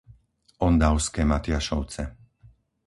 Ondavské Matiašovce